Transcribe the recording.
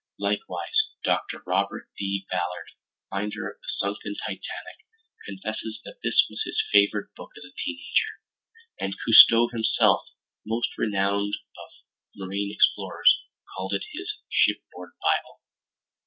Likewise Dr. Robert D. Ballard, finder of the sunken Titanic, confesses that this was his favorite book as a teenager, and Cousteau himself, most renowned of marine explorers, called it his shipboard bible.